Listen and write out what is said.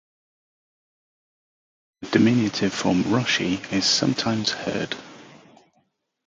The diminutive form "Roshie" is sometimes heard.